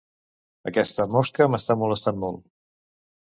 Aquesta mosca m'està molestant molt.